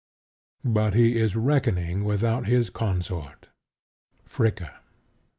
But he is reckoning without his consort, Fricka.